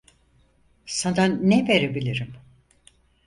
Sana ne verebilirim?